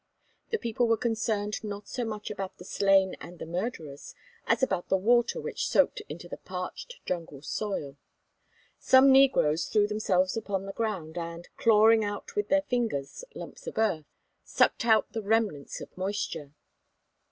The people were concerned not so much about the slain and the murderers as about the water which soaked into the parched jungle soil. Some negroes threw themselves upon the ground and, clawing out with their fingers lumps of earth, sucked out the remnants of moisture.